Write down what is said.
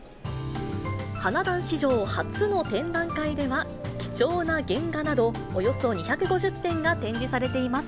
花男史上初の展覧会では、貴重な原画などおよそ２５０点が展示されています。